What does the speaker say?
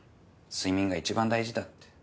睡眠が一番大事だって。